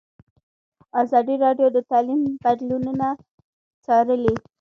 ازادي راډیو د تعلیم بدلونونه څارلي.